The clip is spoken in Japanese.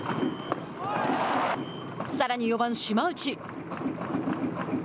さらに４番、島内。